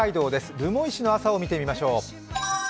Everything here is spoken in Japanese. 留萌市の朝を見てみましょう。